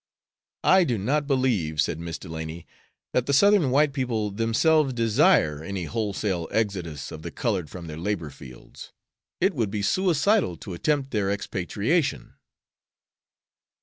"I do not believe," said Miss Delany, "that the Southern white people themselves desire any wholesale exodus of the colored from their labor fields. It would be suicidal to attempt their expatriation."